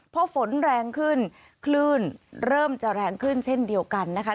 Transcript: พอฝนแรงขึ้นคลื่นเริ่มจะแรงขึ้นเช่นเดียวกันนะคะ